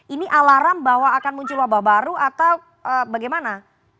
ini alarm bahwa akan muncul wabah baru atau bagaimana